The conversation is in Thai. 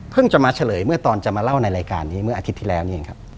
จะมาเฉลยเมื่อตอนจะมาเล่าในรายการนี้เมื่ออาทิตย์ที่แล้วนี่เองครับ